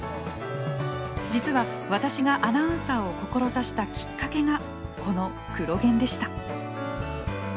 実は私がアナウンサーを志したきっかけがこの「クロ現」でした。